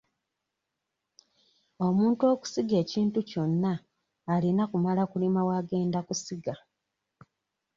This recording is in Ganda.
Omuntu okusiga ekintu kyonna alina kumala kulima w'agenda kusiga.